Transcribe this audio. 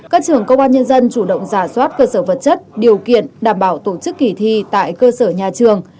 các trường công an nhân dân chủ động giả soát cơ sở vật chất điều kiện đảm bảo tổ chức kỳ thi tại cơ sở nhà trường